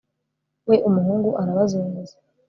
we, umuhungu arabazunguza